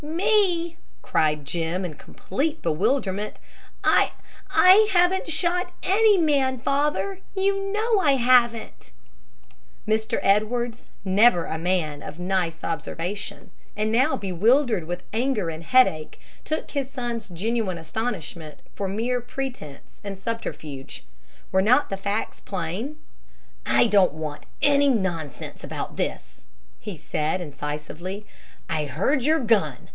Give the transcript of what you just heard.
"Me!" cried Jim, in complete bewilderment. "I I haven't shot any man, father! You know I haven't." Mr. Edwards, never a man of nice observation, and now bewildered with anger and headache, took his son's genuine astonishment for mere pretense and subterfuge. Were not the facts plain? "I don't want any nonsense about this," he said incisively. "I heard your gun.